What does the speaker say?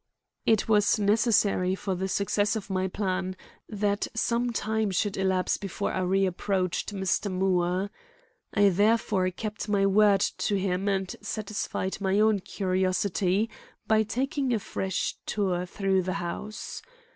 It was necessary, for the success of my plan, that some time should elapse before I reapproached Mr. Moore. I therefore kept my word to him and satisfied my own curiosity by taking a fresh tour through the house.